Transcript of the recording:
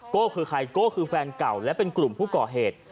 โก้คือใครโก้คือแฟนเก่าและเป็นกลุ่มผู้ก่อเหตุ